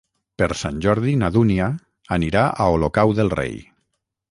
Per Sant Jordi na Dúnia anirà a Olocau del Rei.